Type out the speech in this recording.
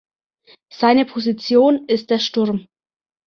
Seine Position ist der Sturm.